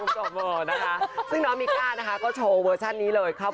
นะคะซึ่งน้องมิก้านะคะก็โชว์เวอร์ชันนี้เลยครับ